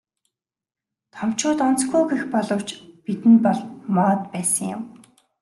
Томчууд онцгүй гэх боловч бидэнд бол моод байсан юм.